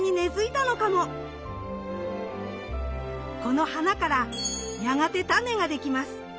この花からやがてタネができます。